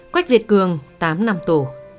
quách việt cường tám năm tù